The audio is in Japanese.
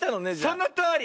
そのとおり。